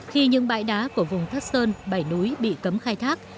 khi những bãi đá của vùng cát sơn bảy núi bị cấm khai thác